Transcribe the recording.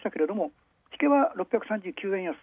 引けは６３９円安。